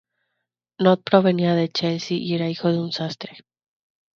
Knott provenía de Chelsea y era hijo de un sastre.